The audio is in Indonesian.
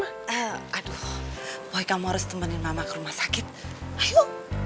maaf aduh boy kamu harus temanin mama ke rumah sakit ayo